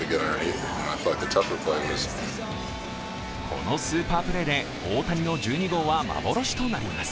このスーパープレーで大谷の１２号は幻となります。